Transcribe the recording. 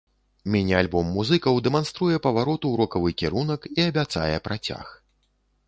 Міні-альбом музыкаў дэманструе паварот у рокавы кірунак і абяцае працяг.